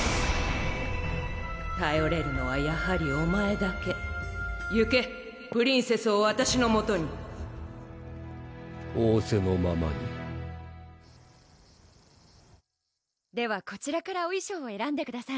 ・たよれるのはやはりお前だけ・・行けプリンセスをわたしのもとに・おおせのままにではこちらからお衣装をえらんでくださ